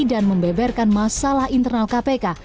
dan membeberkan masalah internal kpk